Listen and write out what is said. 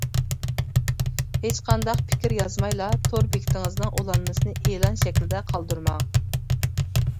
ھېچقانداق پىكىر يازمايلا، تور بېكىتىڭىزنىڭ ئۇلانمىسىنى ئېلان شەكىلدە قالدۇرماڭ.